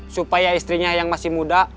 supaya istrinya yang masih muda